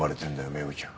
メグちゃん。